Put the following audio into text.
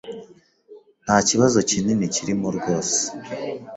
nta kibazo kinini kirimo rwose.